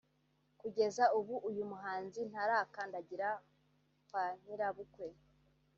kugeza ubu uyu muhanzi ntarakandagira kwa nyirabukwe